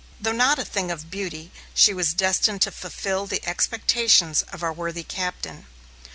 Though not a thing of beauty, she was destined to fulfil the expectations of our worthy Captain.